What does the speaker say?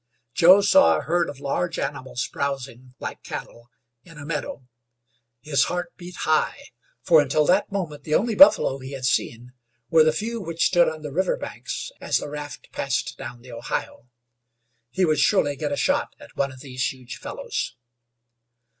Joe saw a herd of large animals browsing, like cattle, in a meadow. His heart beat high, for until that moment the only buffalo he had seen were the few which stood on the river banks as the raft passed down the Ohio. He would surely get a shot at one of these huge fellows.